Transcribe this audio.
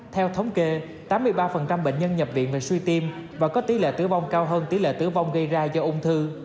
theo thống kê tám mươi ba bệnh nhân nhập viện về suy tim và có tỷ lệ tử vong cao hơn tỷ lệ tử vong gây ra do ung thư